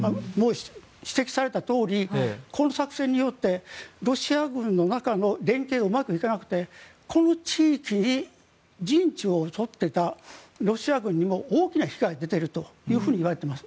指摘されたとおりこの作戦によってロシア軍の中の連携がうまくいかなくてこの地域に陣地を取っていたロシア軍にも大きな被害が出ているといわれています。